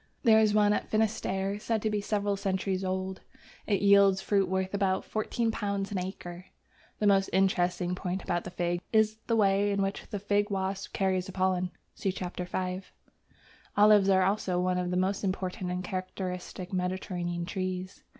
There is one at Finisterre said to be several centuries old. It yields fruit worth about £14 an acre. The most interesting point about the Fig is the way in which the Fig wasp carries the pollen (see Chap. V.). Olives are also one of the most important and characteristic Mediterranean trees.